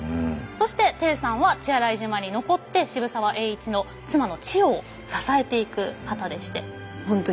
そしてていさんは血洗島に残って渋沢栄一の妻の千代を支えていく方でして。